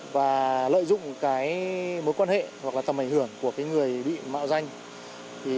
và lợi dụng mối quan hệ hoặc là tầm ảnh hưởng của người bị mạo danh